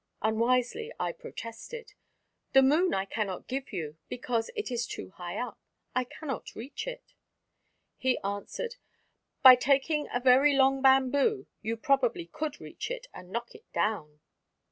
Unwisely I protested, "The Moon I cannot give you because it is too high up. I cannot reach it." He answered: "By taking a very long bamboo, you probably could reach it, and knock it down."